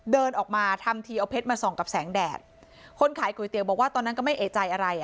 เดินออกมาทำทีเอาเพชรมาส่องกับแสงแดดคนขายก๋วยเตี๋ยวบอกว่าตอนนั้นก็ไม่เอกใจอะไรอ่ะ